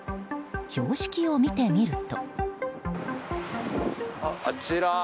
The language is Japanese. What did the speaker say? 標識を見てみると。